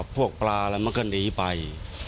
พวกปลามาก็หนีไป